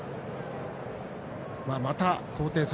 また、高低差